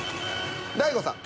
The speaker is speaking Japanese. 大悟さん。